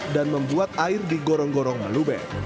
dan membuat air di gorong gorong melube